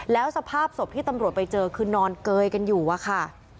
แล้วสภาพศพที่ตำรวจไปเจอคือนอนเกยกันอยู่อะค่ะ